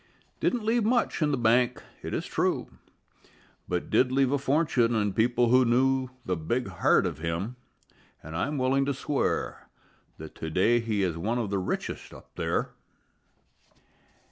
Didn't leave much in the bank, it is true, But did leave a fortune in people who knew The big heart of him, an' I'm willing to swear That to day he is one of the richest up there.